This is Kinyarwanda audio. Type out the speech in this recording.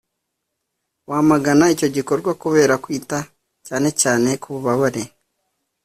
wamagana icyo gikorwa kubera kwita cyanecyane ku bubabare